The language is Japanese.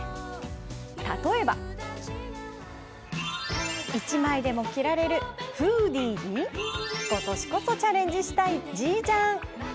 例えば１枚でも着られるフーディーに今年こそチャレンジしたいＧジャン。